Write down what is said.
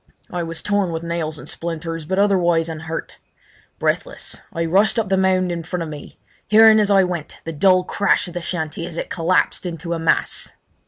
I was torn with nails and splinters, but otherwise unhurt. Breathless I rushed up the mound in front of me, hearing as I went the dull crash of the shanty as it collapsed into a mass.